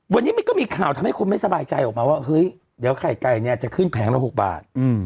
วันนี้มันก็มีข่าวทำให้คนไม่สบายใจออกมาว่าเฮ้ยเดี๋ยวไข่ไก่เนี่ยจะขึ้นแผงละ๖บาท